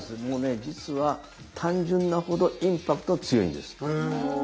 もうね実は単純なほどインパクトが強いんです。